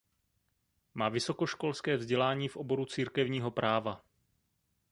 Má vysokoškolské vzdělání v oboru církevního práva.